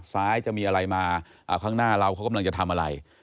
ซ้ายจะมีอะไรมาข้างหน้าเราเขากำลังจะทำอะไร